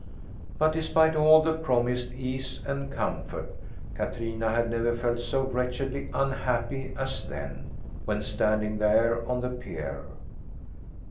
But despite all the promised ease and comfort, Katrina had never felt so wretchedly unhappy as then, when standing there on the pier.